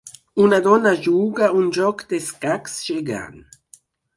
Una dona juga un joc d'escacs gegant.